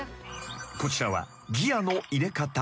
［こちらはギアの入れ方］